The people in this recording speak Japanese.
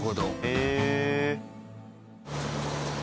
へえ！